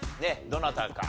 どなたか。